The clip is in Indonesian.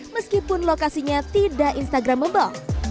meskipun lokasinya tidak instagramable